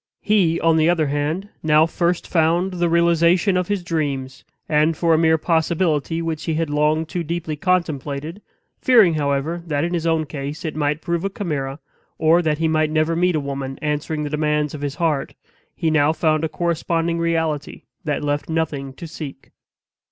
He, on the other hand, now first found the realization of his dreams, and for a mere possibility which he had long too deeply contemplated, fearing, however, that in his own case it might prove a chimera, or that he might never meet a woman answering the demands of his heart, he now found a corresponding reality that left nothing to seek.